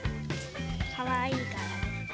かわいいから。